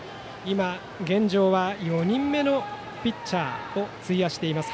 現状は４人目のピッチャーを費やしています